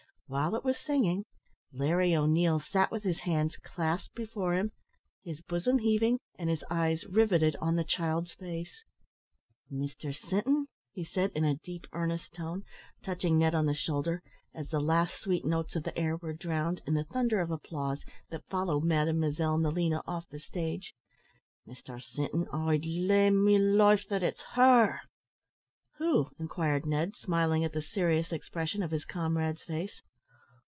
While it was singing, Larry O'Neil sat with his hands clasped before him, his bosom heaving, and his eyes riveted on the child's face. "Mr Sinton," he said, in a deep, earnest tone, touching Ned on the shoulder, as the last sweet notes of the air were drowned in the thunder of applause that followed Mademoiselle Nelina off the stage; "Mr Sinton, I'd lay me life that it's her!" "Who?" inquired Ned, smiling at the serious expression of his comrade's face.